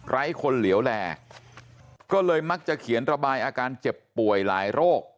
คนเหลียวแลก็เลยมักจะเขียนระบายอาการเจ็บป่วยหลายโรค